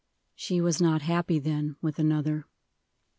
"She was not happy, then, with another."